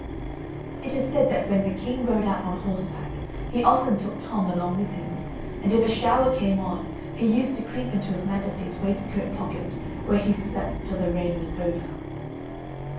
It is said that when the king rode out on horseback, he often took Tom along with him, and if a shower came on, he used to creep into his majesty's waistcoat pocket, where he slept till the rain was over.